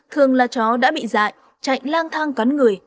thường là chó đã bị dại chạy lang thang cắn người